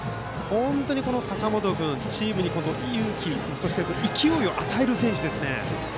この笹本君、チームにいい雰囲気勢いを与える選手ですね。